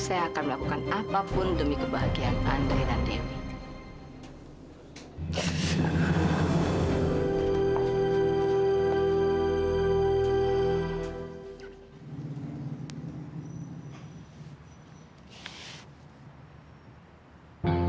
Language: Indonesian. saya akan melakukan apapun demi kebahagiaan andre dan dewi